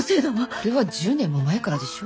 それは１０年も前からでしょ。